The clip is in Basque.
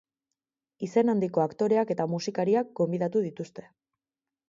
Izen handiko aktoreak eta musikariak gonbidatu dituzte.